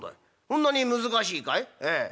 そんなに難しいかい？」。